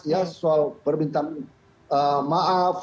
ya soal permintaan maaf